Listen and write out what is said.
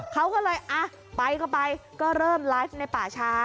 เขาก็เลยอ่ะไปก็ไปก็เริ่มไลฟ์ในป่าช้า